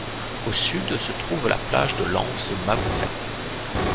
Au sud, se trouve la plage de l'anse Mabouya.